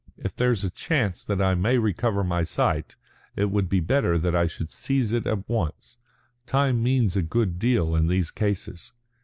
If there's a chance that I may recover my sight, it would be better that I should seize it at once. Time means a good deal in these cases."